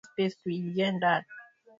Wafula ni mpiga picha hodari